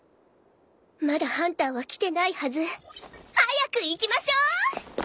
まだハンターは来てないはず。早く行きましょう！